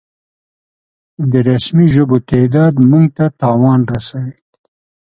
د رسمي ژبو تعداد مونږ ته تاوان رسوي